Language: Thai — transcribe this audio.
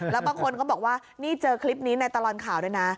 แล้วบางคนก็บอกว่านี่เจอคลิปนี้ในตลอดข่าวด้วยนะ